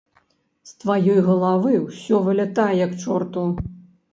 З тваёй галавы ўсё вылятае к чорту.